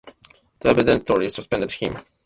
They evidently suspected him.